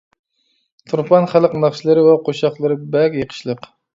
تۇرپان خەلق ناخشىلىرى ۋە قوشاقلىرى بەك يېقىشلىق.